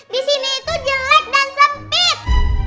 disini itu jelek dan sempit